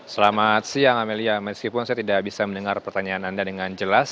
selamat siang amelia meskipun saya tidak bisa mendengar pertanyaan anda dengan jelas